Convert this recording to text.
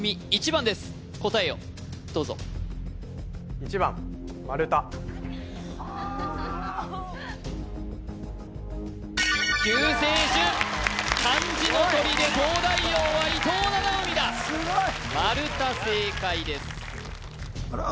１番です答えをどうぞはあ救世主漢字のとりで東大王は伊藤七海だすごいまるた正解ですあれ